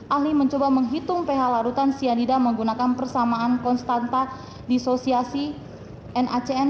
ahli mencoba menghitung ph larutan cyanida menggunakan persamaan konstanta disosiasi nacn